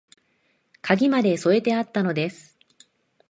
鍵まで添えてあったのです